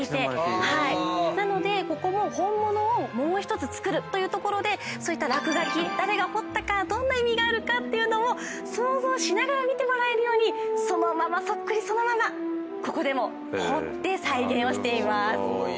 なのでここも本物をもう１つ造るというところでそういった落書き誰が彫ったかどんな意味があるかというのを想像しながら見てもらえるようにそっくりそのままここでも彫って再現をしています。